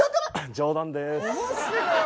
冗談です。